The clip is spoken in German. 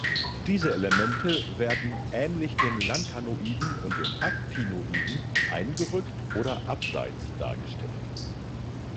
Diese Elemente werden ähnlich den Lanthanoiden und Actinoiden eingerückt oder abseits dargestellt.